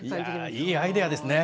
いいアイデアですね。